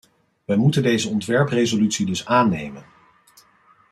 Wij moeten deze ontwerpresolutie dus aannemen.